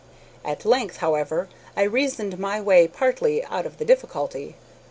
At length, however, I reasoned my way partly out of the difficulty.